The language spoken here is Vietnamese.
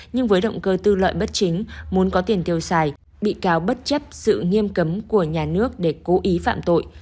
nhưng với động cơ tư lợi bất chính muốn có tiền tiêu xài bị cáo bất chấp sự nghiêm cấm của nhà nước để cố ý phạm tội